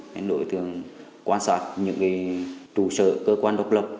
thì đối tượng quan sát những cái trụ sở cơ quan độc lập